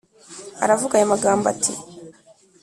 aravuga aya magambo ati